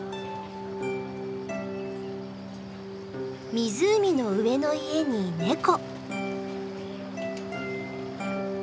湖の上の家にネコ。